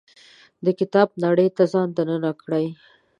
د کتاب نړۍ ته ځان دننه کړي.